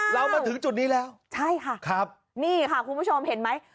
เรามาถึงจุดนี้แล้วใช่ค่ะครับนี่ค่ะคุณผู้ชมเห็นไหม